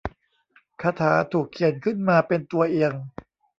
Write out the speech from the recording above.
คาถาถูกเขียนขึ้นมาเป็นตัวเอียง